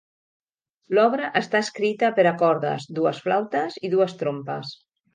L'obra està escrita per a cordes, dues flautes, i dues trompes.